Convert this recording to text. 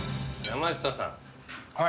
山下さん。